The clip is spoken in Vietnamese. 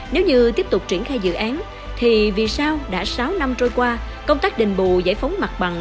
nếu như tiếp tục triển khai dự án thì vì sao đã sáu năm trôi qua công tác đình bù giải phóng mặt bằng